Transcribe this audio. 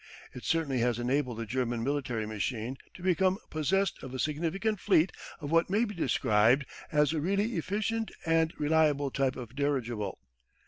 It certainly has enabled the German military machine to become possessed of a significant fleet of what may be described as a really efficient and reliable type of dirigible.